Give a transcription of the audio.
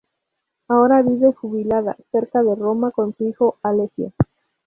Ahora vive jubilada, cerca de Roma con su hijo Alessio.